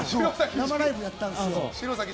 生ライブやったんですよ。